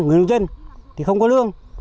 người nông dân thì không có lương